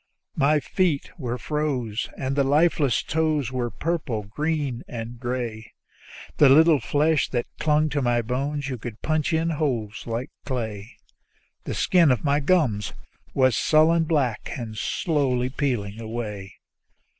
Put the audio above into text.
My feet were froze, and the lifeless toes were purple and green and gray; The little flesh that clung to my bones, you could punch it in holes like clay; The skin on my gums was a sullen black, and slowly peeling away.